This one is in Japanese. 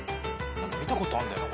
何か見たことあんだよな